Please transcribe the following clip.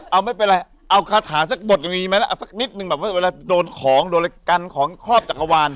เอาไม่เป็นไรเอาคาถาสักบทอย่างนี้ไหมล่ะเอาสักนิดนึงแบบว่าเวลาโดนของโดนอะไรกันของครอบจักรวาล